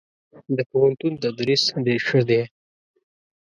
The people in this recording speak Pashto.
دپوهنتون تدريس ډير ښه دی.